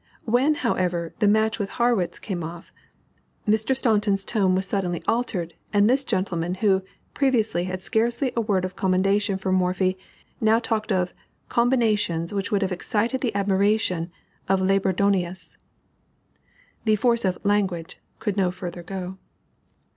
When, however, the match with Harrwitz came off, Mr. Staunton's tone was suddenly altered, and this gentleman who, previously, had scarcely a word of commendation for Morphy, now talked of "combinations which would have excited the admiration of Labourdonnais." "The force of 'language' could no further go."